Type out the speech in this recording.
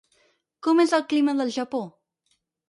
Com és el clima del Japó?